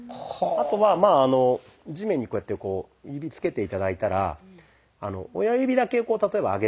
あとはまあ地面にこうやってこう指つけて頂いたら親指だけ例えば上げるんですね。